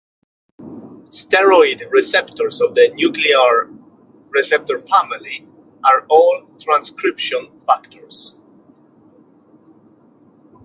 Steroid receptors of the nuclear receptor family are all transcription factors.